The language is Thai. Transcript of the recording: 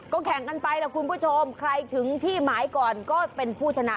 ก็แข่งกันไปนะคุณผู้ชมใครถึงที่หมายก่อนก็เป็นผู้ชนะ